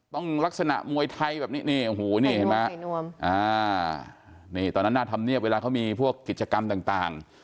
ต้องลักษณะมวยไทยแบบนี้นี่เห็นไหมตอนนั้นน่าทำเนียบเวลาเขามีพวกกิจกรรมต่าง